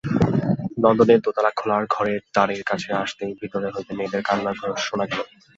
নন্দদের দোতলা খোলার ঘরের দ্বারের কাছে আসিতেই ভিতর হইতে মেয়েদের কান্নার শব্দ শোনা গেল।